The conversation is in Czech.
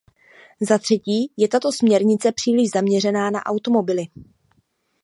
Zatřetí je tato směrnice příliš zaměřená na automobily.